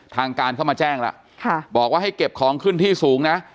ทางการเข้ามาแจ้งแล้วบอกว่าให้เก็บของขึ้นที่สูงนะ